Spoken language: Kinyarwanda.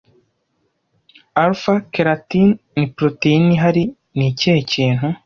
Alpha-keratin ni poroteyine ihari nikihe kintu